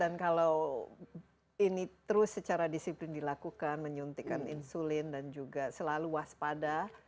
dan kalau ini terus secara disiplin dilakukan menyuntikkan insulin dan juga selalu waspada